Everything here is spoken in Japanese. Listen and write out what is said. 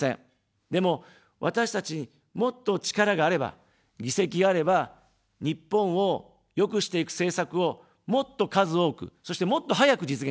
でも、私たちに、もっと力があれば、議席があれば、日本を良くしていく政策を、もっと数多く、そして、もっと早く実現できます。